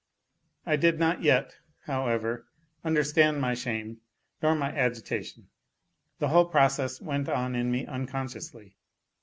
I did not yet, however, understand my shame nor my agitation ; the whole process went on in me unconsciously.